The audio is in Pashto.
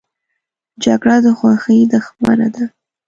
جګړه د خوښۍ دښمنه ده